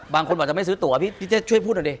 บางคนบอกจะไม่ซื้อตัวพี่เจ๊ช่วยพูดเอาดิ